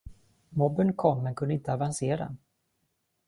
Mobben kom, men kunde inte avancera.